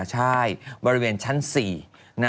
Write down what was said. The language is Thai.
ใช่บริเวณชั้น๔